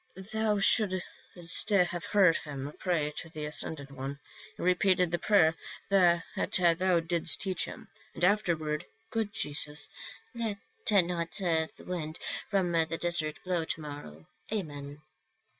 "Thou shouldst have heard him pray to the ascended One ; he repeated the prayer that thou didst teach him, and afterward, ' Good Jesus, let not the wind from the desert blow to morrow. Amen.'